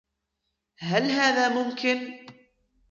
هل هذا ممكن؟